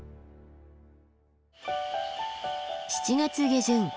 ７月下旬。